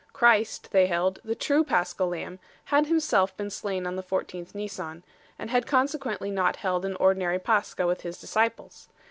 Christ, they held, the true Paschal Lamb, had Himself been slain on the 14th Nisan, and had consequently not held an ordinary Pascha with His dis ciples.